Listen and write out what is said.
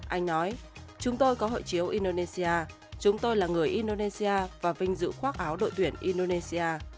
anh nói chúng tôi có hộ chiếu indonesia chúng tôi là người indonesia và vinh dự khoác áo đội tuyển indonesia